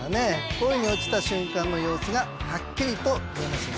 恋に落ちた瞬間の様子がはっきりと見えますよね。